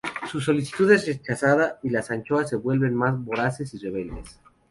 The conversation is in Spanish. Su solicitud es rechazada, y las anchoas se vuelven más voraces e rebeldes.